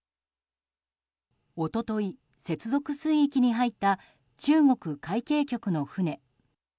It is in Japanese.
一昨日、接続水域に入った中国海警局の船。